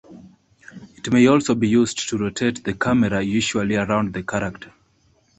It may also be used to rotate the camera, usually around the character.